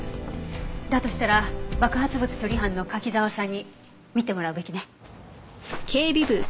だとしたら爆発物処理班の柿沢さんに見てもらうべきね。